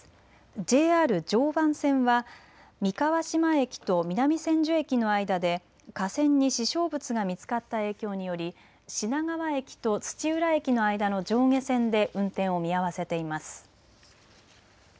ＪＲ常磐線は三河島駅と南千住駅の間で架線に支障物が見つかった影響により品川駅と土浦駅の間の上下線で運転を見合わせています。